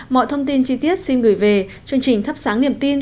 mọi thông tin chi tiết xin gửi về chương trình thắp sáng niềm tin